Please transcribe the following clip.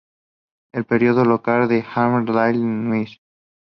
El periódico local es el Havre Daily News.